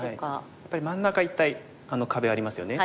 やっぱり真ん中一帯あの壁ありますよね。